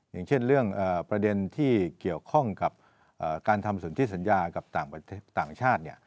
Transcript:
อย่างเช่นเรื่องประเด็นที่เกี่ยวข้องกับการทำสนที่สัญญากับต่างชาติ